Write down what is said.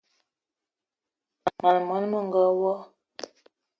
Mań món menga wo!